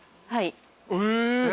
はい。